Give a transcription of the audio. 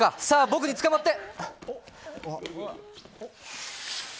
僕につかまって！